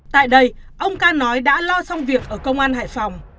tại đây ông ca nói đã lo xong việc ở công an hải phòng